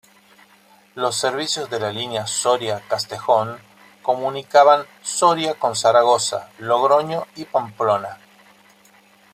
Los servicios de la línea Soria-Castejón, comunicaban Soria con Zaragoza, Logroño y Pamplona.